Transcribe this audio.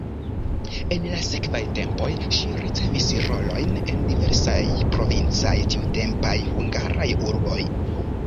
En la sekvaj tempoj ŝi ricevis rolojn en diversaj provincaj tiutempaj hungaraj urboj.